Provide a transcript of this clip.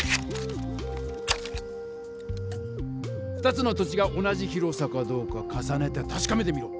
２つの土地が同じ広さかどうか重ねてたしかめてみろ。